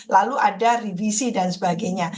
lalu ada revisi dan sebagainya